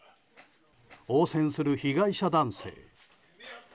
応戦する被害者男性。